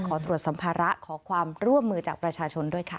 ขอตรวจสัมภาระขอความร่วมมือจากประชาชนด้วยค่ะ